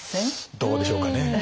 どうでしょうかね。